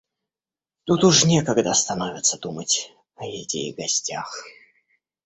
Тут уж некогда становится думать о еде и гостях.